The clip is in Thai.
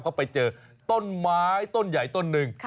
เขาไปเจอต้นไม้ต้นใหญ่ต้นหนึ่ง